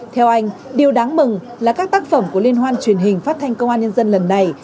theo anh điều đáng mừng là các tác phẩm của liên hoan truyền hình phát thanh công an nhân dân lần này